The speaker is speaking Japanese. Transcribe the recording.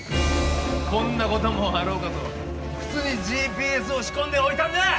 こんなこともあろうかと靴にＧＰＳを仕込んでおいたんだ！